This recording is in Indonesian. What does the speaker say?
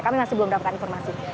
kami masih belum dapat informasi